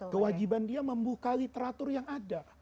kewajiban dia membuka literatur yang ada